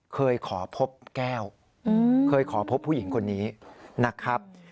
เคยขอพบแก้วเคยขอพบผู้หญิงคนนี้นะครับ